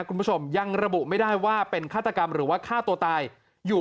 คุณผู้ชมยังระบุไม่ได้ว่าเป็นฆาตกรรมหรือว่าฆ่าตัวตายอยู่